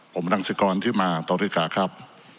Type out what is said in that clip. ผมดังสือกรที่มาตรฐกะครับ